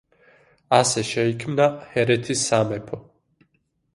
ასე შეიქმნა ჰერეთის სამეფო.